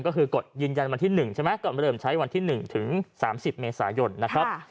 ก็คือกดยืนยันวันที่๑ใช่ไหมก็เริ่มใช้วันที่๑ถึง๓๐เมษายนนะครับ